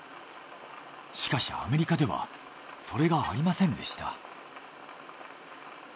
しかしアメリカではそれがありませんでした。